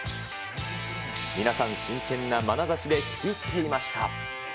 皆さん、真剣なまなざしで聞き入っていました。